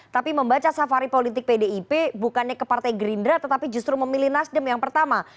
tapi membaca safari politik pdip bukannya ke partai gerindra tetapi justru memilih nasdem yang pertama